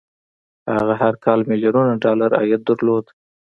هغه هر کال ميليونونه ډالر عايد درلود.